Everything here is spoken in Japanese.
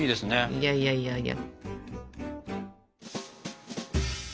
いやいやいやいや。